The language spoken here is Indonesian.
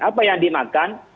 apa yang dimakan